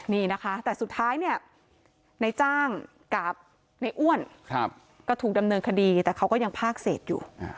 นี่นะคะแต่สุดท้ายเนี่ยในจ้างกับในอ้วนก็ถูกดำเนินคดีแต่เขาก็ยังภาคเศษอยู่